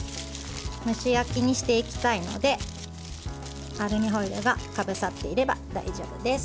蒸し焼きにしていきたいのでアルミホイルがかぶさっていれば大丈夫です。